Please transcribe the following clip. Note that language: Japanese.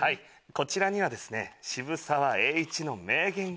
こちらにはですね。